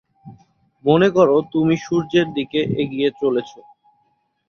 মনে কর, তুমি সূর্যের দিকে এগিয়ে চলেছ।